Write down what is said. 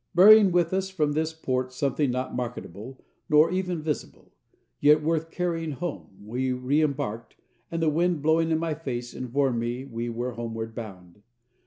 Bearing with us from this port something not marketable nor even visible, yet worth carrying home, we reëmbarked, and the wind, blowing in my face, informed me we were homeward bound.